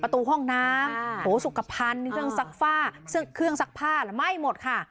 ประตูห้องน้ำสุขภัณฑ์เครื่องซักผ้าไม่หมดค่ะ